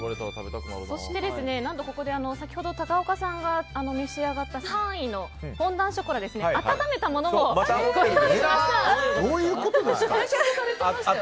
そして、何と先ほど高岡さんが召し上がった３位のフォンダンショコラ温めたものをご用意しました。